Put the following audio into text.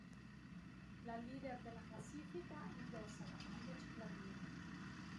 La leader della classifica indossa la maglia ciclamino.